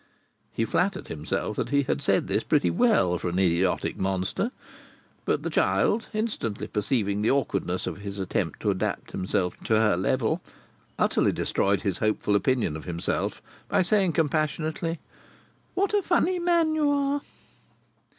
He flattered himself that he had said this pretty well for an idiotic Monster; but the child, instantly perceiving the awkwardness of his attempt to adapt himself to her level, utterly destroyed his hopeful opinion of himself by saying, compassionately: "What a funny man you are!"